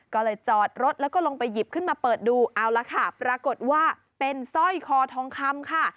ก็เลยจอดรถแล้วก็ลงไปหยิบขึ้นมาเปิดดูเอาละค่ะปรากฏว่าเป็นสร้อยคอทองคำค่ะ